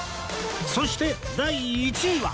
そして第１位は